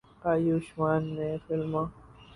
آیوشمان نے فلموں